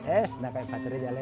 eh kenapa empat reja leher